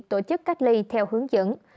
tổ chức cách ly theo hướng dẫn